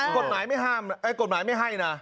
กฎหมายไม่ให้นะ